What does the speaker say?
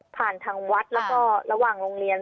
ทางวัดแล้วก็ระหว่างโรงเรียน